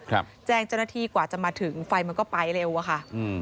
แจ้งเจ้าหน้าที่กว่าจะมาถึงไฟมันก็ไปเร็วอะค่ะอืม